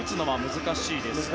難しいですね。